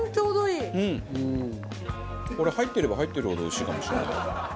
これ入ってれば入ってるほどおいしいかもしれない。